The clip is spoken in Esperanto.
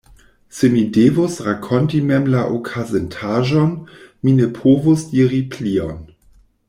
Se mi devus rakonti mem la okazintaĵon, mi ne povus diri plion.